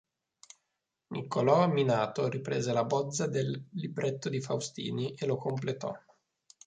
Niccolò Minato riprese la bozza del libretto di Faustini e lo completò.